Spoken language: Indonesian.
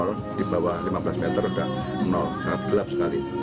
kalau di bawah lima belas meter sudah sangat gelap sekali